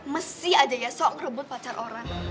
mesih aja ya sok ngebut pacar orang